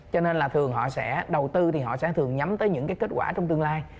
cho nên là thường họ sẽ đầu tư thì họ sẽ thường nhắm tới những cái kết quả trong tương lai